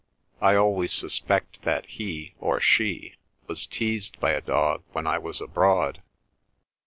"I always suspect that he (or she) was teased by a dog when I was abroad."